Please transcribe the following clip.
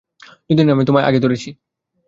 যদি না আমি তোমায় আগে ধরেছি।